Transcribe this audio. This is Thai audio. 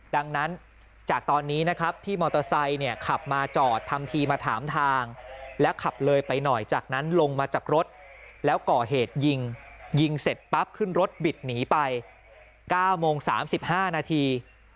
ดังนั้นจากตอนนี้นะครับที่มอเตอร์ไซค์เนี่ยขับมาจอดทำทีมาถามทางแล้วขับเลยไปหน่อยจากนั้นลงมาจากรถแล้วก่อเหตุยิงยิงเสร็จปั๊บขึ้นรถบิดหนีไป๙โมง๓๕นาที